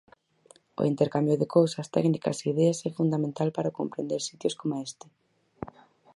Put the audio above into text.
O intercambio de cousas, técnicas e ideas é fundamental para comprender sitios coma este.